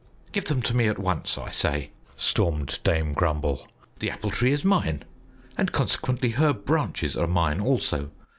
"Give them to me at once, I say!" stormed Dame Grumble. "The Apple Tree is mine, and consequently her branches are mine also.